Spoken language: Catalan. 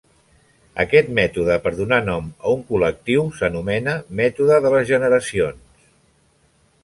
Aquest mètode per donar nom a un col·lectiu s'anomena mètode de les generacions.